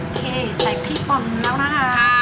โอเคใส่พี่ป่อนแล้วนะคะค่ะ